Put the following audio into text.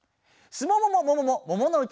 すもももももももものうち。